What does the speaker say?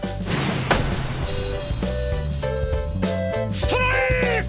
ストライーク！